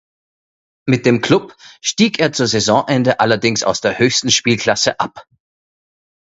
Mit dem Klub stieg er zu Saisonende allerdings aus der höchsten Spielklasse ab.